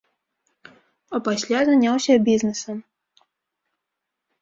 А пасля заняўся бізнесам.